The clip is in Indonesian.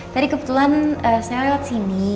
tadi kebetulan saya lewat sini